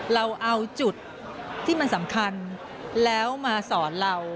เราเอาจุดที่มันสำคัญแล้วมาสอนเรา